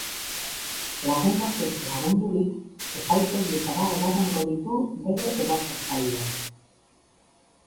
Lagun batek lagundurik, epaitegietara eramango ditu bere erasotzaileak.